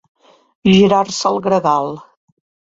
Girar-se el gregal.